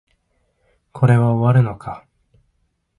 これは終わるのか